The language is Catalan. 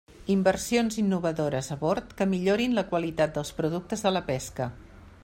Inversions innovadores a bord que millorin la qualitat dels productes de la pesca.